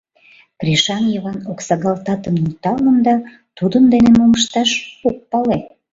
Кришан Йыван оксагалтатым нӧлталын да, тудын дене мом ышташ — ок пале.